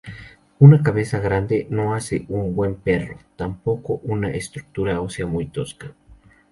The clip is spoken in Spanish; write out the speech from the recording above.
Una cabeza grande no hace un buen perro, tampoco una estructura ósea muy tosca.